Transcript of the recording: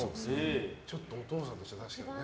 ちょっとお父さんとしてはね。